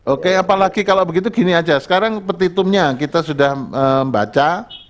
oke apalagi kalau begitu gini aja sekarang petitumnya kita sudah membaca